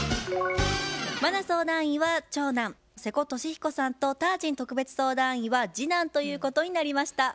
茉奈相談員は「長男」瀬古利彦さんとタージン特別相談員は「次男」ということになりました。